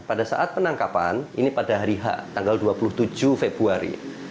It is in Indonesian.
pada saat penangkapan ini pada hari h tanggal dua puluh tujuh februari